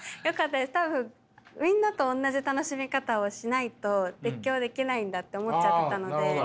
多分みんなとおんなじ楽しみ方をしないと熱狂できないんだって思っちゃってたので何か